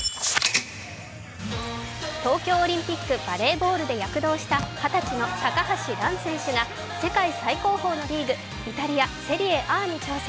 東京オリンピックバレーボールで躍進した二十歳の選手、高橋藍選手が世界最高峰のリーグ、イタリア・セリエＡに挑戦。